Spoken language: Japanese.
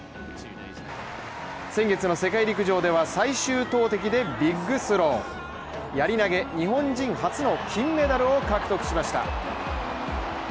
先月の世界陸上では最終投てきでビッグスローやり投日本人初の金メダルを獲得しました。